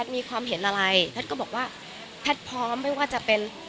มีความเห็นอะไรแพทย์ก็บอกว่าแพทย์พร้อมไม่ว่าจะเป็น